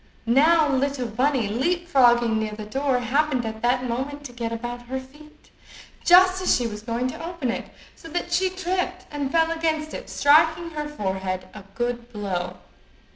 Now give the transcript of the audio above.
Now little bunny, leap frogging near the door, happened that moment to get about her feet, just as she was going to open it, so that she tripped and fell against it, striking her forehead a good blow.